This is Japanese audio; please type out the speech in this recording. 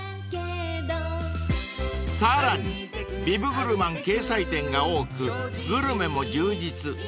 ［さらにビブグルマン掲載店が多くグルメも充実］